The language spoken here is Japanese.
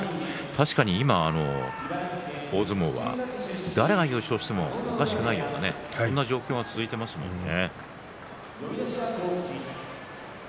確かに今の大相撲は誰が優勝してもおかしくないという状況が続いてますね。